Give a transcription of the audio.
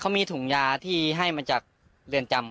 เขามีถุงยาที่ให้มาจากเรือนจำ